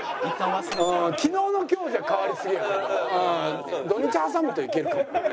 昨日の今日じゃ変わりすぎやけど土日挟むといけるかも。